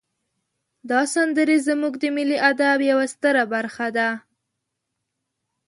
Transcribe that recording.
دا سندرې زمونږ د ملی ادب یوه ستره برخه ده.